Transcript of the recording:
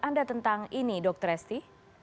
anda tentang ini dokter esty